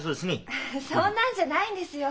フフフそんなんじゃないんですよ。